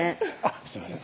すいません